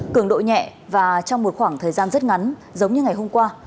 cường độ nhẹ và trong một khoảng thời gian rất ngắn giống như ngày hôm qua